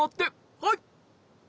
はい！